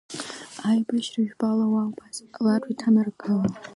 Аибашьра жәпала ауаа убас иҟалартә иҭанаргылон.